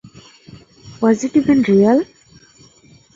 Was It Even Real?